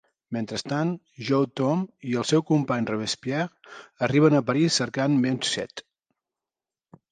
Mentrestant, Jaune Tom i el seu company Robespierre arriben a París, cercant Mewsette.